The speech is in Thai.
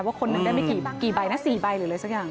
ว่าคนนั้นได้มีกี่ใบนะ๔ใบหรืออะไรสักอย่าง